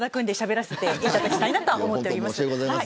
しゃべらせていただきたいなと思っています。